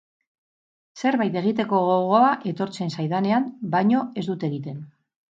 Zerbait egiteko gogoa etortzen zaidanean baino ez dut egiten.